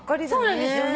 そうなんですよね。